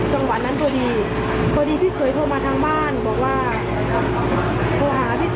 เห็นเพื่อนที่ไปอยู่ด้วยแล้วมาว่าไนดซ์กำลังจะมาจะ